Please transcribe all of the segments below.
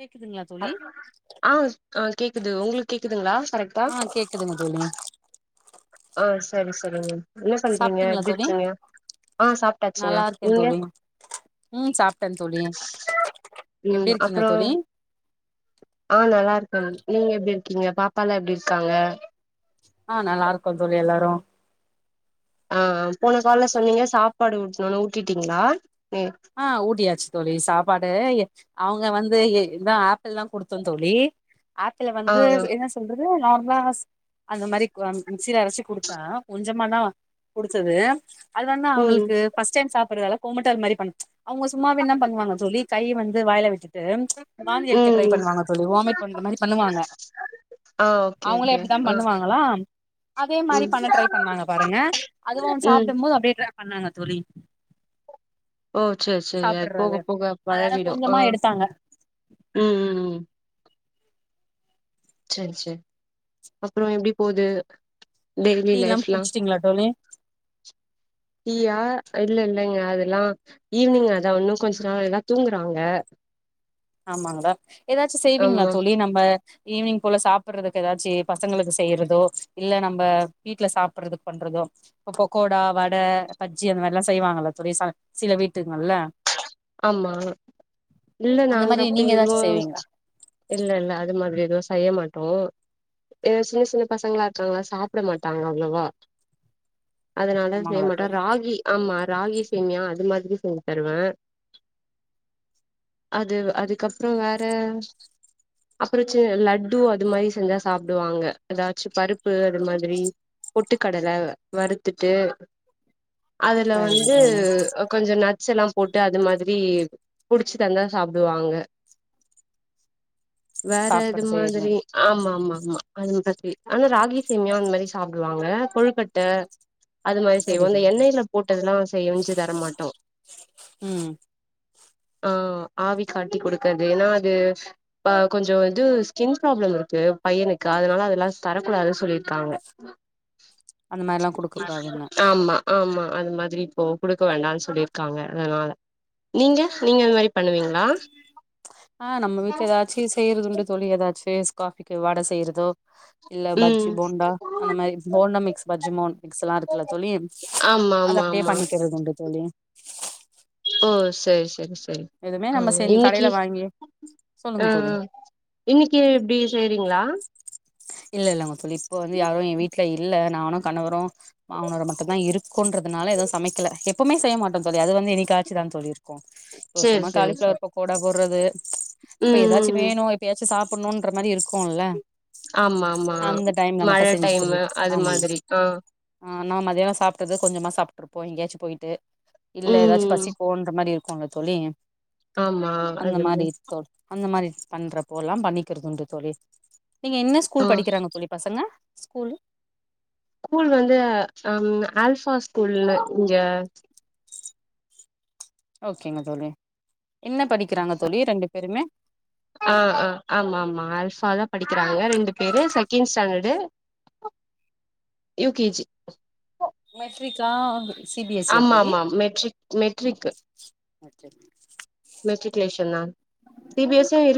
கேக்குதுங்களா தோழி ஆ அ கேக்குது உங்ளுக் கேக்குதுங்ளா கரெக்ட்டா க தோழி ஒ செரி செரிங்க என்ன பன்றிங்க சாப்ட்டீங்களா எப்டி தோழி இருக்கிங்க ஆ சாப்ட்டாச்சுங்க நல்லா இருக்கே நீங்க தோழி ம் சாப்ட்டேன் தோழி எப்டி ம் இருக்கிங்க அப்றோ தோழி ஆ நல்லா இருக்கன் நீங்க எப்டி இருக்கீங்க பாப்பாலா எப்டி இருக்காங்க ஆ நல்லா இருக்கோ தோழி எல்லாரு அ அ போன கால்ல சொன்னீங்க சாப்பாடு ஊட்ணுனு ஊட்டிடீங்ளா ஆ ஊட்டியாச்சு தோழி சாப்பாடு அவுங்க வந்து எ இதா ஆப்பிள்ல்லா குடுத்தே தோழி ஆப்பிள ஆ வந்து என்ன சொல்றது நா வாஸ் அந்த மாரி கொன் மிக்சீல அரைச்சு குடுத்தே கொஞ்சமாதா குடிச்சது அது வந்து ம் அவங்களுக்கு ஃபஸ் டைம் சாப்டுறதால கொமட்டல் மாரி பண் அவுங்க சும்மாவேன்னா பண்ணுவாங்க தோழி கைய வந்து வாய்ல விட்டு வாந்தி எடுக்க ட்ரை ம் பண்ணுவாங்க தோழி வாமிட் பண்ற மாரி பண்ணுவாங்க ஆ ஓகே அவுங்களே ஓகே எப்டிதா ஆ பண்ணுவாங்களா அதே மாரி ம் பண்ண ட்ரை பண்ணுவாங்க பாருங்க அதுவு அவன் ம் சாப்புடும்போது அப்டியே ட்ர பண்ணாங்க தோழி ஓ செரி செரி அது போக சாப்ட்றது போக அதனால பழகிடு அ கொஞ்சமா எடுத்தாங்க ம் ம் ம் செரி செரி அப்ற எப்டி போது டெய்லி டீ எல்லா லைஃப்லா குடிச்சிட்டீங்களா தோழி டீயா இல்ல இல்லங்க அதெல்லா ஈவினிங் அதா உன்னு கொஞ்ச நாள் எல்லா தூங்குறாங்க ஆமாங்கடா ஏதாச்சு செய்வீங்களா ஆமா சொல்லி நம்ம ஈவி்னிங் போல சாப்புடுறதுக்கு ஏதாச்சு பசங்களுக்கு செய்யறதோ இல்ல நம்ம வீட்ல சாப்புடுறதுக்கு பண்ற தோ இப்ப பக்கோடா வட பஜ்ஜி அந்த மாரிலா செய்வாங்கல தோழி ச சில வீட்டுங்கள்ல ஆமா இல்ல அந்த நாங்க மாரி அப்டி நீங்க எதுவு ஏதாச்சு செய்வீங்களா இல்ல இல்ல அது மாதிரி எதுவு செய்ய மாட்டோ எ சின்ன சின்ன பசங்களா இருக்காங்ளா சாப்ட மாட்டாங்க அவ்ளவா அதனால செய்ய ஆமாங்களா மாட்டே தோழி ராகி ஆமா ராகி சேமியா அது மாதிரி செஞ்சு தருவே அது அதுக்கப்புற வேற அப்புறச்சே லட்டு அது மாரி செஞ்சா சாப்டுவாங்க எதாச்சு பருப்பு அது மாதிரி பொட்டுக்கடல வறுத்துட்டு அதுல சரிங்க வந்து தோழி கொஞ்ச நட்ஸ் எல்லா போட்டு அது மாதிரி புடிச்சு தந்தா சாப்டுவாங்க வேற சாப்ட்ற இது செய்யறது மாதிரி ஆமா ஆமா அமா அது மாதிரி ஆனா ராகி சேமியா அந்த மாரி சாப்டுவாங்க கொழுக்கட்ட அது மாரி செய்வோ இந்த புரியுதுங்க தோழி எண்ணெய்ல போட்டதெல்லா செய் வஞ்சு தரமாட்டோ ம் [unintelligible] ஆ ஆவி காட்டி கொடுக்றது ஏன்னா அது இப்ப கொஞ்ச இது ஸ்கின் ப்ராப்ளம் இருக்கு பையனுக்கு அதனால அதெல்லா தரக்கூடாதுன் சொல்லிர்க்காங்க அந்த மாரிலா குடுக்க கூடாதுன்னு ஆமா ஆமா அது மாதிரி இப்போ குடுக்க வேண்டான் சொல்லிருக்காங்க அதனால நீங்க நீங்க அந்த மாரி பண்ணுவீங்களா ஆ நம்ம வீட்ல எதாச்சு செய்யறதுண்டு தோழி எதாச்சு காஃபிக்கு வட செய்யறதோ இல்ல ம் பஜ்ஜி போண்டா அந்த மாரி போண்டா மிக்ஸ் பஜ்ஜி மிக்ஸெல்லா இருக்குல்ல தோழி ஆமா அது ஆமா அப்டியே ஆமா பண்ணிக்கிறதுண்டு தோழி ஓ சரி சரி எதுவுமே ஆ நம்ம செஞ் இன்னக்கி கடையில வாங்கி சொல்லுங்க ஆ தோழி இன்னக்கி எப்டி செய்றீங்ளா இல்ல இல்லங்க தோழி இப்ப வந்து யாரு எ வீட்ல இல்ல நானு கணவரு மாமனாரு மட்டு தா இருக்கோன்ற அதனால எது சமைக்கல எப்போமே செய்ய மாட்டோ தோழி அது வந்து என்னிக்காச்சு தாங் தோழி கோ போ சரி சும்மா சரி சரி காலிஃபிளவர் பக்கோடா போட்றது இப்ப ம் எதாச்சு ம் ம் வேணு எப்பயாச்சு சாப் பண்ணுன்ற மாரி இருக்குல்ல ஆமா ஆமா அந்த டைம்ல மழ மட்டு செஞ்சுக்றது டைமு அது ஆமாங் மாதிரி ஆ ஆனா மதியானோ சாப்ட்டது கொஞ்சமா சாப்ட்ருப்போ எங்கேயாச்சு போய்ட்டு இல்ல எதாச்சு ம் பசிக்குன்ற மாரி ப்பாங்க தோழி ஆமா அந்த அது மாரி தோ அந்த மாரி பண்றப்போல்லா பண்ணிக்கிறதுண்டு தோழி நீங்க என்ன ஆ ஸ்கூல் படிக்கிறாங்க தோழி பசங்க ஸ்கூலு கூல் வந்து அம் ஆல்ஃபா ஸ்கூல்லு இங்க ஓகேங்க தோழி என்ன படிக்கிறாங்க தோழி ரெண்டு பேருமே ஆ ஆ ஆமாமா ஆல்ஃபா தா படிக்கிறாங்க ரெண்டு பேரு second standard U K G மெட்ரிக்கா சி பி எஸ் சி யா தோழி ஆமாமாம் மெட்ரிக் மெட்ரிக்கு செரி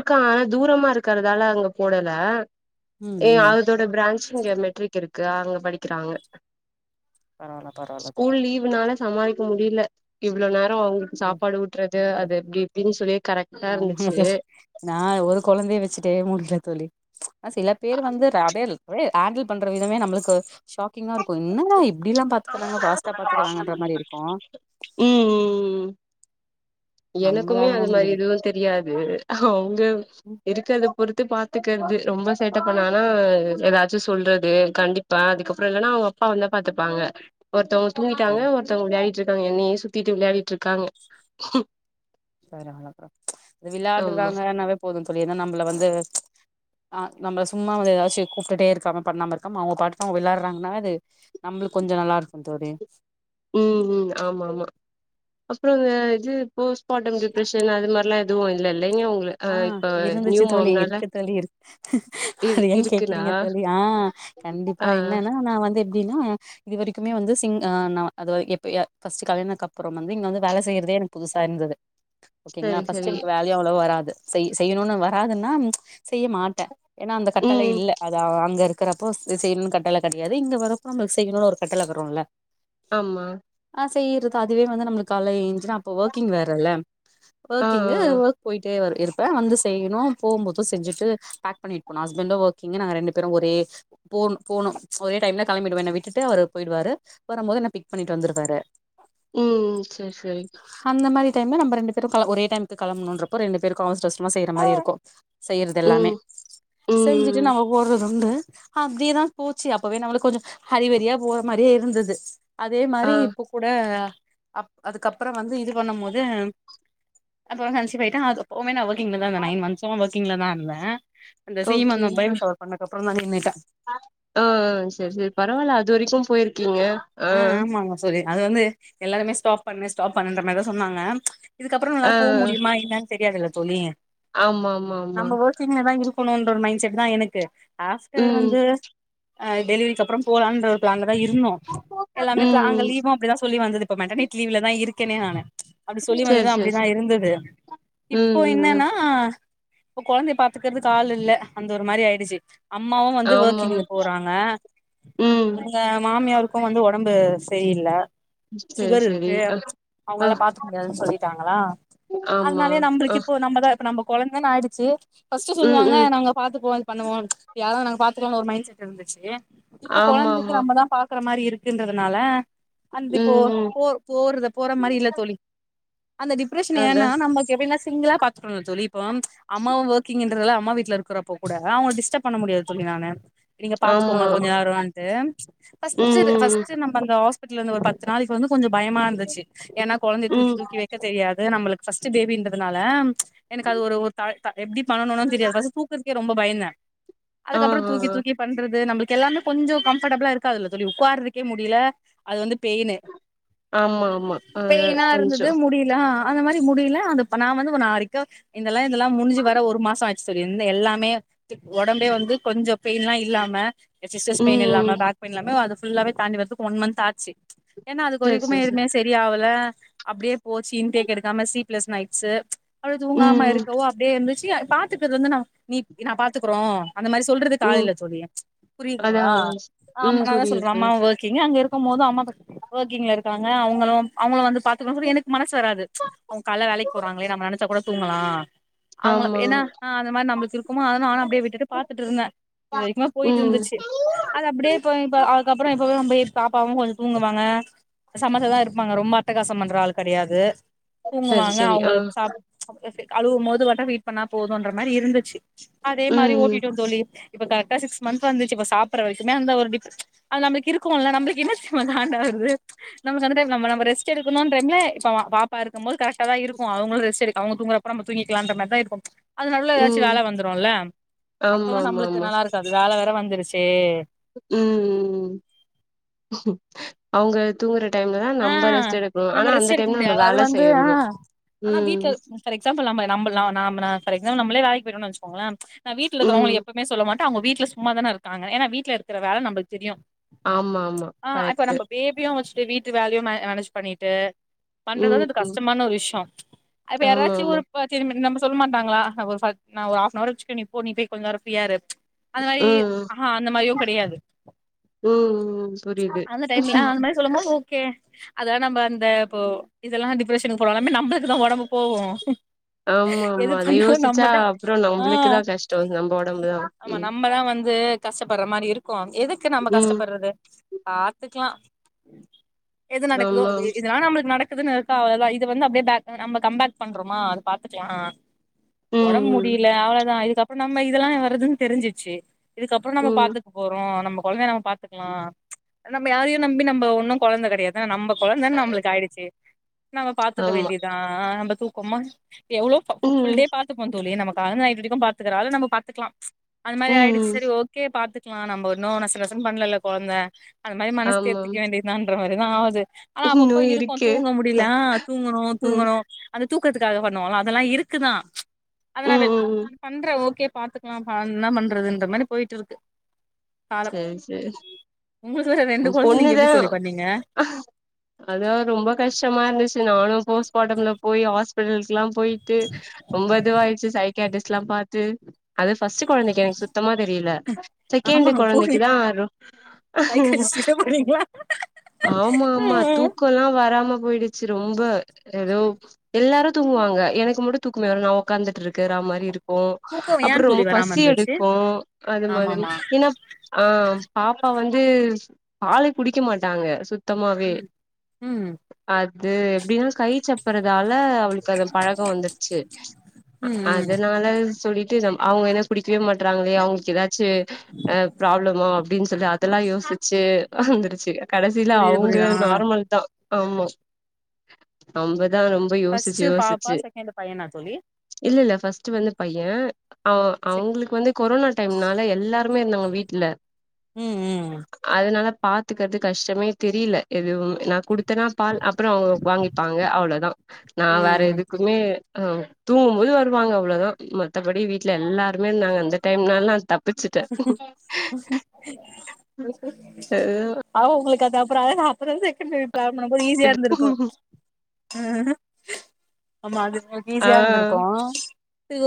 க்கா தூரமா இருக்கறதால அங்க போடல ம் ஏ ம் அதோட பிரான்ச் இங்க ஒரு மெட்ரிக் இருக்கு அங்க படிக்கிறாங்க பரவால பரவால தோழி ஸ்கூல் லீவுனால சமாளிக்க முடில இவ்ளோ நேரோ அவுங்களுக்கு சாப்பாடு ஊட்றது அது எப்டி இப்டின்சொல்லி ஆமா சிஸ் நா ஒரு கொழந்தைய வச்சுட்டே முடில தோழி ஆ சில பேர் வந்து ரபேல் [unintelligible] ஆண்டில் பண்ற விதமே நம்ளுக்கு ஷாக்கிங்காருக்கு என்னடா இப்டில்லா பாத்துக்கறாங்க ஃபாஸ்ட்டா பாத்துக்கறாங்கன்ற மாரி இருக்கு ம் ம் எனக்குமே நம்மளாலலா அது மாரி முடியு எதுவு தெரியாது அவுங்க ம் இருக்கது பொறுத்து பாத்துக்றது ரொம்ப சேட்ட பண்ணானா எதாச்சு சொல்றது கண்டிப்பே அதுக்கப்றோ இல்லன்னா அவுங்க அப்பா வந்து பாத்துப்பாங்க ஒருத்தோங்க தூங்கிட்டாங்க சரி ஒருத்தோங்க வெளயாடிட்ருக்காங்க என்னயே சுத்திட்டு வெளயாடிட்ருக்காங்க பரவால்லப்பா இந்த ஆமா விளாடுறாங்கன்னாவே போது தோழி ஏனா நம்பள வந்து ஆ நம்ள சும்மா வந்து எதாச்சு கூப்ட்டுட்டே இருக்காம பண்ணாம இருக்காம அவுங்க பாட்டு அவுங்க வெளாட்றாங்கன்னா அது ந ம்ளுக்கு கொஞ்சோ நல்லாருக்கு தோழி ம் ம் ஆமாமா அப்றோ இந்த இது போஸ்பார்டம் டிப்ரஷன் அது மார்லா எதுவு இல்லல் ஆ இருந்துச்சு தோழி இருக்கு தோழி இருக் இரு அது ஏ இருக்குன்னா கேக்குறீங்க தோழி ஆ ஆ கண்டிப்பா ஆ என்னனா நா வந்து ப்டினா இது வரைக்குமே வந்து சிங் ஆ நா அது எப்ப ய ஃபஸ்ட் கல்யாணக்கப்பறோம் வந்து இங்க வந்து வேல செய்யறதே எனக் புதுசாருந்தது ஓகேங்ளா சரி ஃபர்ஸ்ட்டு சரி எனக்கு வேலயு அவ்ளோவா வராது செய் செய்னுன் வராதுனா செய்ய மாட்டே ஏனா அந்த கட்டளை ம் இல்ல அதா அங்கரு க்றப்போ இது செய்ணுன் கட்டள கெடயாது இங்க வரப்ப நம்ம செய்ணுன் ஒரு கட்டள வருல ஆமா ஆ செய்றது அதுவே வந்து நமக்கு கால்ல ஏஞ்சுனா அப்போ ஒர்க்கிங் வேறல ஆ ஆ ஒர்க்கிங்கு ஆ ஒர்க் போயிட்டே வரு ப வந்து செய்ணு போபோது செஞ்சுட்டு பேக் பண்ணிட்போணு ஹஸ்பன்டு ஒர்கிங்கு நாங்க ரெண்டு பேரு ஒரே போணு போணு ஒரே டைம்ல களம்பிடுவே என்ன விட்டுட்டு அவரு போய்டுவாரு வரம்போது என்ன பிக் பண்ணிட்டு வந்துட்வாரு ம் சேர் சேரி தென்ன நம்ம ரெண்டு பேரு ஒரே டைமுக்கு கெளம்புணுன்றப்ப ரெண்டு பேருக்கு அவசர அவசரமா செய்யிற மாரி இருக்கு செய்றது எல்லாமே ம் ம் செஞ்சிட்டு ம் நாம [unintelligible] வந்து அப்டியேதான் போச்சு அப்பவே நம்ளுக்கு கொஞ்ச ஹரிவரியா போற மாரியே இருந்துது அதே மாரி ஆ இப்ப கூட அப் அதுக்கப்றோ வந்து இது பண்ணு போது [unintelligible] போய்ட்ட அது [unintelligible] நா [unintelligible] நைன் மன்சு ஒர்கிங்ல தா இருந்தே அந்த ஓகே சீமந்தோ அ பேபி சவர் பண்ணதுகப்பறோந்தா நின்னுட்டே ஆ சேரி சேரி பரவால்ல அதுவரைக்கு போய்ருக்கீங்க ஆ ஆமாங்க தோழி அது வந்து எல்லாருமே ஸ்டாப் பண்ணு ஸ்டாப் பண்ணுன்ற மாரிதா சொன்னாங்க இதுக்கப்பறோ ஆ நம்ளால ஆ போ முடியுமா என்னான் தெரியாதுல்ல தோழி ஆமா ஆமா ஆமா நம்ம ஒர்கிங்ல தா இருக் போணுன்ற மைண் செட் தா எனக்கு ஆஃப்டர் ம் வந்து அ டெலிவரிக்கப்றோ போலான்ற ஒரு பிளான்ல தா இருந் ம் எல்லாமே [unintelligible] ம் லீவு அப்டிதா சொல்லி வந்துது இப்ப மெட்டர்னெட் லீவ்லதா இருக்கேனே நானு அப்டி சொல்லி சரி வந்து சரி அப்டிதா சரி இருந்துது இப்போ ம் ம் ம் என்னன்னா இப்ப கொழந்தய பாத் கத்துக்கிறதுக் ஆள் இல்ல அந்த ஒரு மாரி ஆயிடுச்சு அம்மாவு வந்து ஆமாம் வொர்க்கிங்க்கு போறாங்க ம் எங்க மாமியாரு இப்ப வந்து ஒடம்பு செரியில்ல சரி சுகர் சரி இருக்கு ஆ ஆ அவ்ங்கல்லா பாத்துக் முடியாதுன் சொல்லிட்டாங்களா ஆமா அதனாலய ஆ நம்பளுக் இப்போ நம்ப தா இப்ப நம்போ கொழந்தேன் ஆயிடுச்சு பஸ்ட்டு ம் சொல்லுவாங்க ம் நாங்க பாத்துப்போ இது பண்ணுவோ பாத்துக்கலான் ஒரு மைண் செட் இருந்துச்சு இப்ப ஆமா கொழந்தைக்கு ஆமா நம்மதா பாக்கற மாரி இருக்குன்றதுனால அந்திப்போ ம் ம் போ போறத போற மாரி இல்ல தோழி அந்த டிப்ரஷன் அதா ஏனா நம்ளுக்கு எப்பய்மே சிங்கிளா பாத்துட்டுல்ல தோழி இப்போ அம்மாவு வோர்கிங் [unintelligible] அம்மா வீட்ல இருக்கறப்போ கூட அவங்கள டிஸ்டப் பண்ண முடியாத் தோழி நானு நீங்க ஆமா பாத்துக்கோங்க கொஞ்ச நேரோன்ட்டு ம் [unintelligible] ம் பஸ்ட் நம்ம அந்த ஹாஸ்பிட்டலருந்து ஒரு பத்து நாளைக்கு வந்து கொஞ்ச பயமா இருந்துச்சு ஏனா கொழந்தய ம் தூக்கி ம் தூக்கி வெக்க தெரியாது நம்ளுக்கு பஸ்ட் பேபின்றதுனால எனக்கு அது ஒரு ஒரு தால் தா எப்டி பண்ணுனு தெரியாது பஸ்ட் தூக்குறக்கே ரொம்ப பயந்தே ஆ அதுக்கப்பறோ ஆ தூக்கி ஆ தூக்கி பண்றது நம்ளுக்கு எல்லாமே கொஞ்சோ கம்ஃபடபுலா இருக் க்காதில்ல தோழி உக்காறதுக்கே முடில அது வந்து பெயினு ஆமா ஆமா அதா பெயினா இருந்துது கொஞ்சோ முடியலா அந்த மாரி முடியில அந்த நா வந்து [unintelligible] இதெலா இதெலா முடிஞ்சு வர ஒரு மாசோ ஆயிட்ச்சு தோழி இந்த எல்லாமே ஒடம்பே வந்து கொஞ்ச பெயின்லா இல்லாம இந்த சிஸ்ஸர்ஸ் ம் பெயின் இல்லாம ம் பேக் பெயின் இல்லாம அது ஃபுல்லாவே தாண்டி வர்த்க் ஒன் மந்த் ஆச்சு ஏனா அதுக்கு ஒரு சேரி இதுமே சேரி சேரி எதுமே செரி ஆவல அப்டியே போச்சி இன்டேக் எடுக்காம சீப்லெஸ் நைட்ஸு அப்டியே தூங்காம ம் இருக்கவு அப்டியே இருந்துச்சி பாத்துக்கறது வந்து நா நீ நா பாத்துக்குறோ அந்த மாரி சொல்றதுக்கு ம் ஆள் ம் இல்ல தோழி அதா புரியுதுங்ளா அமா ம் நா தா புரியுது சொல்ற அம்மா புரியுது வொர்கிங் அங்க இருக்கு போது அம்மா [unintelligible] வொர்க்கிங்ல இருக்காங்க அவங்களு அவங்க வந்து பாத்துக்கணு சொல்லி எனக்கு மனசு வராது அவங்க கால்ல வேலைக் போறாங்களே நம்ம நெனச்சா கூட தூங்கலா அவங்கள ஆமா ஏனா அ அந்தமாரி நம்மளுக்கு இருக்குமா அத நானு அப்டியே விட்டுட்டு பாத்துட்டு இருந்தே இது வரைக்குமா போய்ட்டு ம் இருந்துச்சு அது அப்டியே போய் இப்ப அதுக்கப்றோ இப்பவே [unintelligible] பாப்பாவு கொஞ்சோ தூங்குவாங்க சமத்தா தா இருப்பாங்க ரொம்ப அட்டகாசம் பண்ற ஆள் கெடையாது சரி தூங்குவாங்க சரி அவுங்க ஆ சாப் அழுவபோது மட்டு ஃபீட் பண்ணா போதுன்ற மாரி இருந்துச்சி அதே மாரி ம் ம் ஓட்டிட்டோ ‌தோழி இப்ப கரெக்டா சிக்ஸ் மந்த் வந்துச்சு இப்ப சாப் ட்ற வரைக்குந்தா அந்த ஒரு டிப் அது நம்ளுக்கு இருக்குல்ல நம்ளுக்கு என்ன தெரிமா காண்டா வருது நம்ம அந்த டைம் [unintelligible] ரெஸ்ட் எடுக்கணுன்றேம்ல இப்ப பா பாப்பா இருக்கும்போது கரெக்டா தா இருக்கு அவங்களு ரெஸ்ட் எடுக்க அவங்க தூங்குறப்ப நம்ம தூங்கிக்கலான்ற மாரிதா இருக்கு அது நல்ல எதாச்சு ம் வேல வந்துருல்ல ஆமா அப்பதா ஆமா நம்மளுக்கு ஆமா நல்லா இருக்காது வேல வேற வந்துருச்சே ம் அவங்க தூங்கற டைம்ல தா ஆ நம்ப ரெஸ்ட் எடுக்கணு ஆனா நம்ம அந்த ரெஸ்ட் எடுக்க டைம்ல நம்ம முடியாது அது வேல வந்து செய்யணு ஆ ஆனா வீட்ல ம் இர்க் ஃபார் எக்ஸாம்பிள் நம்ப நம்பல்லா நாம நா பே சாம நம்மளே வேலைக்கு போய்ருவோன் வெச்சுக்கோங்கலே நா வீட்ல ம் இருக்கவங்கள எப்பமே சொல்ல மாட் கேட்டா அவங்க வீட்ல சும்மாதான இருக்காங்க ஏனா வீட்ல இருக்கிற வேல நம்மளுக்கு தெரியு ஆமா ஆமா ஆ அப்போ கரெக்ட்டு நம்ம பேபியு வச்சுட்டு வீட்டு வேலையு ம மனேஜ் பண்ணிட்டு பண்றது ம் வந்து அது ம் கஷ்டமான ஒரு விஷயோ இப்ப ஆமா யாராச்சி ஒரு ஆமா நம்ம சொல் மாட்டாங்ளா ஒரு பை நா ஒரு ஆபனவர் வச்சுக்க நீ போ நீ போய் கொஞ்ச நேரோ ஃப்ரீயா இரு அந்த மாரி ம் ஆஹா அந்த மாரியு கடையாது ம் புரிது ஏ அதா நம்ப அந்த இப்போ இதெல்லா டிப்ரஷனுக்கு போறோ எல்லாமே நம்ளுக்குதா ஒடம்பு போவு ஆமா ஆமா எது அத பண்ணாலு யோசிச்சா நம்மதா அப்றோ ஆ நம்மளுக்குதா கஷ்டோ நம்ம ஒடம்புதா ஆமா ம் நம்மதா வந்து கஷ்டப்படுற மாரி இருக்கு எதுக்கு நம்ம ம் கஷ்டப்படுறது பாத்துக்லா எது நடக்குதோ ஆமா அது இதுலா நம்ளுக்கு நட க்குது இருக்கா அவ்ள தா இது வந்து அப்டியே பக் நம்ம கம் பக் பண்றமா அது பாத்துக்லா ம் ஒடம்பு ம் முடியல அவ்ளதா இதுக்கப்றோ நம்ம இதெல்லா வருதுன் தெரிஞ்சிச்சு இதுக்கப்றோ நம்ம ம் பாத்துக் போறோ நம்ம கொழந்தைய நம்ம பாத்துக்லா நம்ம யாரையு நம்பி நம்ம ஒன்னு கொழந்த கடையாது நம்ப கொழந்தன் நம்ளுக்கு ஆய்டுச்சி நம்ம பாத்துக்க ஆமா வேண்டியதா ஆ நம்ம தூக் போமா எவ்ளோ புல் ம் டே பாத்து போ தோழி நமக்கு கால்ல இருந்து நைட் வரைக்கு பாத்துக்கற அது நம்ம பாத்துக்கலா அது மாரி ஆயிடுச்சு ம் சரி ஓகே பாத்துக்லா நம்ப இன்னு நசு நசன் பண்லல்ல கொழந்த அது மாதி மனச தேத்திக்க ஆமாம் வேண்டி தான்ற மாரிதா ஆவுது ஆனா அப்பப்போ இருக்கு தூங்க முடில ஆ தூங்கணு ம் தூங்கணு அந்த தூக்கத்துக்காக பண்ணுவோலா அதெல்லா இருக்குதா அத நா ம் ம் ம் பண்ற ஓகே பாத்துக்கலா ப என்ன பண்றதுன்ற மாரி போய்ட்ருக்கு சரி சரி வேற ரெண்டு கொழந்த நீங்க பொண்ணுதா எப்டி தோழி பண்ணீங்க அதுவு ரொம்ப கஷ்டமாருந்துச்சு நானு போஸ்ட்மார்ட்டம்ல போய் ஹாஸ்பிட்டலுக்கெல்லா போய்ட்டு ரொம்ப இதுவாய்ச்சு சை கியாடிஸ்ட்லா பாத்து அது பஸ்ட்டு கொழந்தைக்கு எனக்கு சுத்தமா தெரியல செக்கெண்டு ஆமா போய் அன்னைக்குதா ரு சைக்காலஜிஸ்ட் கிட்ட போனீங்களா ஆமா ஆமா தூக்கோல்லா வராம போய்டுச்சு ரொம்ப ஏதோ எல்லாரு தூங்குவாங்க எனக்கு மட்டு தூங்கமே வர நவ் உக்காந்துட்ருக்கற மாரி இருக்கு தூக்கம் ஏ அப்றோ தோழி ரொம்ப வராம பசி இருந்துச்சு எடுக்கு அது மாதிரி ஆமாமா ஏனா ஆ பாப்பா வந்து பாலே குடிக்க மாட்டாங்க சுத் தமாவே ம் ம் அது எப்டினா கை சப்புறதால அவளுக்கு அது பழக்கோ வந்துட்ச்சு அ ம் ம் அதனால சொல்லி டு சம் அவங்க எத குடிக்கவே மாட்றாங்களே அவங்களுக்கு ஏதாச்சு அ ப்ராப்ளமா அப்டின் சொல்லி அதெல்லா யோசிச்சு வந்துருச்சு கடைசில புரியுது அவுங்க புரியுது ஆ நார்மல் தா ஆமா அம்பது அதா ரொம்ப யோசிச்சு ஃபர்ஸ்ட் பாப்பா யோசிச்சு செகண்ட் பையனா தோழி இல்லல்ல பஸ்ட்டு வந்து பைய செகண்ட் அவங்களுக்கு வந்து கொரோனா டைம்னால எல்லாருமே இருந்தாங்க வீட்டுல ம் ம் அதனால பாத்துக்கறது கஷ்டமே தெரியல எதுவும் நா குடுத் எத்தனா பால் அப்பறோ அவங்க வாங்கிப்பாங்க அவ்வளவுதா நா வேற ம் எதுக்குமே ஆ தூங்கும்போது வருவாங்க அவ்வளோதா மத்தபடி வீட்டுல எல்லாருமே நாங்க அந்த டைம்னாலா தப்பிச்சு அ ஆ உங்களுக்கு க்காதப்பற அத அப்பற [unintelligible] பண்ணும் போது ஈஸியா இருந்திருக்கு ஆ ஆமா அதுக்களுக்கு ஆ ஈஸியா இருந்திருக்கோ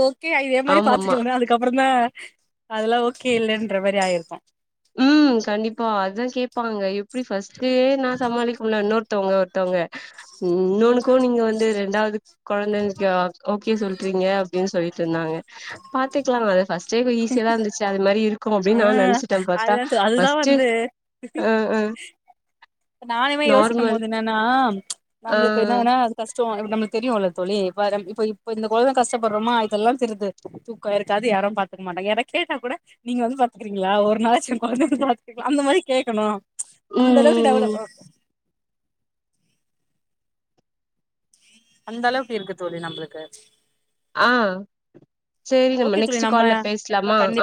ஓகே இதே மாரி ஆமா ஆமா பாத்துக்கலா அதுக்கப்புறந்தா அதெல்லா ஓகே இல்லன்ற மாரி ஆயிருக்கு ம் கண்டிப்பா அதுதா கேட்பாங்க எப்டி ஃபர்ஸ்ட்டே நா சமாளிக்க முல இன்னொ த்தவங்க ஒருத்தவங்க இன்னொன்னுக்கு நீங்க வந்து ரெண்டாவது கொழந்தைங்க ஓகே சொல்றீங்க னு சொல்லிட்ருந்தாங்க பாத்துக்கலா பஸ்ட்டே கொஞ்ச ஈஸா இருச்சு அது மாரி இருக்கு அப்படின் நா நெனைச்சட் அது நேரதுக்கு அதுதா வந்து அ அ நானுமே யோசிக்கும் நார்மல் போது என்னன்னா ஆ நம்மளுக்கு என்ன வேன்னா அது கஸ் ஷ்டோ நம்ளுக்கு தெரியும்ல தோழி இ இப்ப இப்ப இந்த கொழந்த கஷ்டப்படுறோமா யெல்லா தெரியது தூக்க இருக்காது யாரு பாத்துக்க மாட்டாங்க என கேட்ட கூட நீங்க வந்து பாத்துக்றீங்களா ஒரு நாளாச்சு அந்த மாரி கேக்கணும் ம் அந்த அளவுக்கு ம் டெவலப் ம் அந்த அளவுக்கு இருக்கு தோழி நம்மளுக்கு ஆ செரி நம்ம ஓகே தோழி நெக்ஸ்ட் கால்ல பேசலாமா கண்டிப்பா